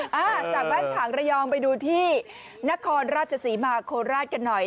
จากบ้านฉางระยองไปดูที่นครราชศรีมาโคราชกันหน่อย